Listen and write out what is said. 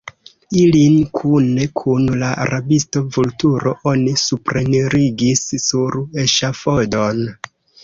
Ilin kune kun la rabisto Vulturo oni suprenirigis sur eŝafodon.